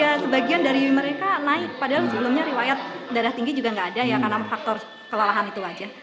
padahal sebelumnya riwayat darah tinggi juga gak ada ya karena faktor kelalahan itu aja